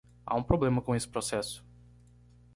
Há um problema com esse processo.